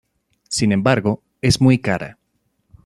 Sin embargo, es muy cara.